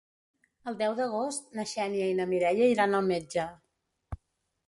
El deu d'agost na Xènia i na Mireia iran al metge.